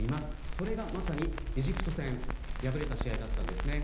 それがまさにエジプト戦敗れた試合です。